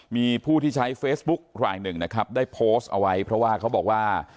มีผู้ที่ใช้เฟซบุ๊กรายหนึ่งนะครับได้โพสต์เอาไว้เพราะว่าเขาบอกว่า